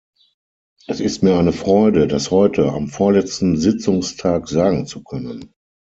Es ist mir eine Freude, das heute, am vorletzten Sitzungstag, sagen zu können.